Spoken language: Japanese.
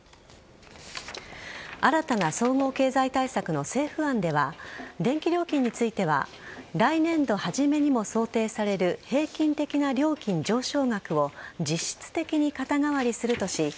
新たな総合経済対策の政府案では電気料金については来年度初めにも想定される平均的な料金上昇額を実質的に肩代わりするとし